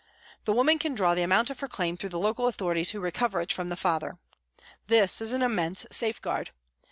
The woman can draw the amount of her claim through the local authorities who recover it from the father. This is an immense safeguard.